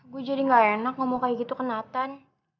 gue jadi gak enak ngomong kayak gitu ke nathan